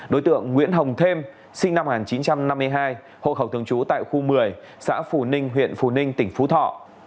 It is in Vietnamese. đối tượng nguyễn hồng thêm sinh năm một nghìn chín trăm năm mươi hai hộ khẩu thường trú tại khu một mươi xã phù ninh huyện phù ninh tỉnh phú thọ